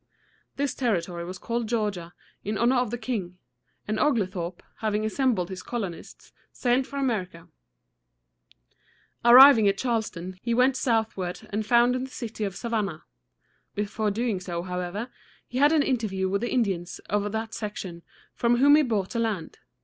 This territory was called Georgia, in honor of the king; and Oglethorpe, having assembled his colonists, sailed for America. Arriving at Charleston, he went southward and founded the city of Sa van´nah. Before doing so, however, he had an interview with the Indians of that section, from whom he bought the land.